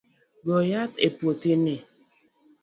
Go yath e puothini .